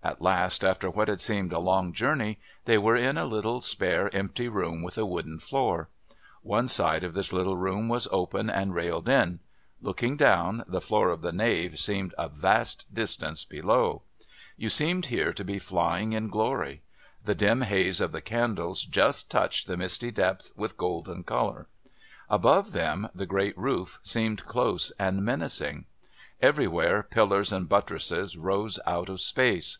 At last, after what had seemed a long journey, they were in a little, spare, empty room with a wooden floor. One side of this little room was open and railed in. Looking down, the floor of the nave seemed a vast distance below. You seemed here to be flying in glory. The dim haze of the candles just touched the misty depth with golden colour. Above them the great roof seemed close and menacing. Everywhere pillars and buttresses rose out of space.